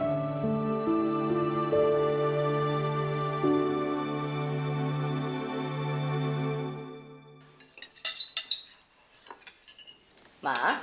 guru guru kamu semua seperti itu